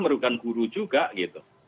merugikan guru juga gitu